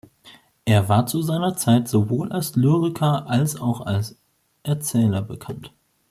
Er war zu seiner Zeit sowohl als Lyriker als auch als Erzähler bekannt.